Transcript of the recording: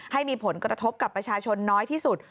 ให้มีผลกระทบกับประชาชนน้อยที่สุด